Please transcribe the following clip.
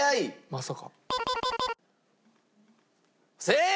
まさか。